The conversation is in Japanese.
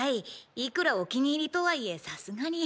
いくらお気に入りとはいえさすがに。